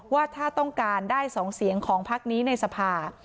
ว่าถ้าต้องการได้๒เสียงของพักนี้ในสภา